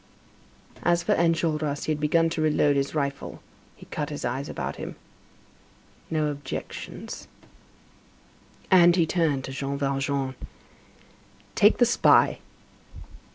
As for Enjolras, he had begun to re load his rifle; he cut his eyes about him: "No objections." And he turned to Jean Valjean: "Take the spy."